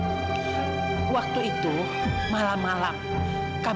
dan valetnya juga dipijak menc prosper year